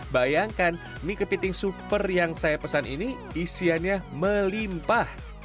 bayangkan mie kepiting super yang saya pesan ini isiannya melimpah